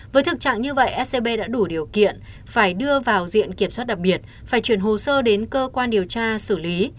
với thực trạng như vậy scb đã đủ điều kiện phải đưa vào diện kiểm soát đặc biệt phải chuyển hồ sơ đến cơ quan điều tra xử lý